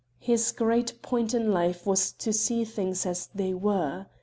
His great point in life was to see things as they were.